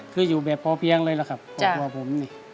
คืออยู่แบบพอเพียงเลยล่ะครับบอกว่าผมเนี่ย